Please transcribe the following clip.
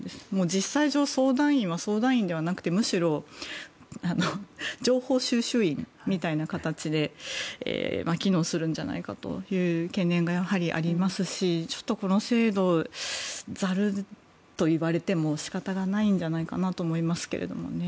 実際上相談員は相談員ではなくてむしろ情報収集員みたいな形で機能するんじゃないかという懸念が、やはりありますしちょっと、この制度ざるといわれても仕方がないんじゃないかなと思いますけれどもね。